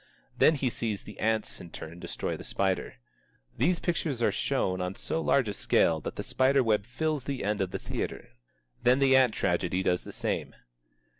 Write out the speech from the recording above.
Then he sees the ants in turn destroy the spider. These pictures are shown on so large a scale that the spiderweb fills the end of the theatre. Then the ant tragedy does the same.